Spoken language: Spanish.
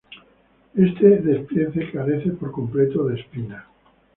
Este despiece carece por completo de espinas.